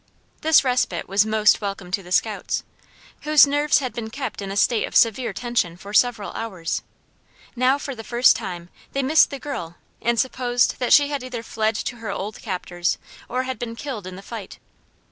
This respite was most welcome to the scouts, whose nerves had been kept in a state of severe tension for several hours. Now for the first time they missed the girl and supposed that she had either fled to her old captors or had been killed in the fight.